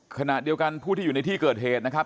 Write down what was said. ขณะเดียวกันผู้ที่อยู่ในที่เกิดเหตุนะครับ